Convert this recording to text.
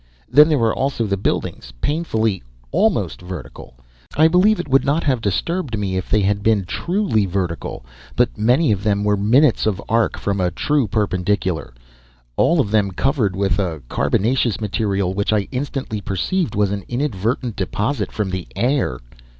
Then there were also the buildings, painfully almost vertical. I believe it would not have disturbed me if they had been truly vertical; but many of them were minutes of arc from a true perpendicular, all of them covered with a carbonaceous material which I instantly perceived was an inadvertent deposit from the air.